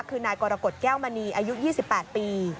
คือนายกรกฎแก้วมณีอายุ๒๘ปี